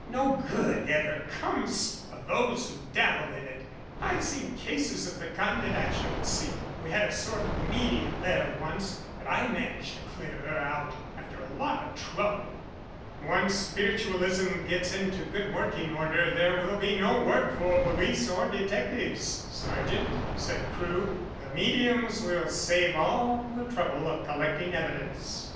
"No good ever comes of those who dabble in it I've seen cases of the kind at Ashlingsea. We had a sort of medium there once, but I managed to clear her out, after a lot of trouble." "Once spiritualism gets into good working order there will be no work for police or detectives, sergeant," said Crewe. "The mediums will save all the trouble of collecting evidence."